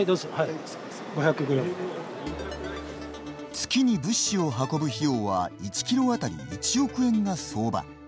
月に物資を運ぶ費用は１キロ当たり１億円が相場。